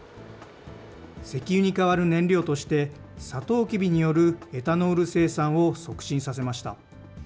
石油に代わる燃料として、サトウキビによるエタノール生産を促進させました。